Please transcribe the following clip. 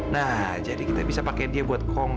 nah jadi kita bisa pake dia buat kongkat